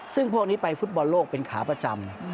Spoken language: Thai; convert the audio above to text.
ซึ่งพวกนี้ไปฟุตบอลโลกเป็นขาประจำ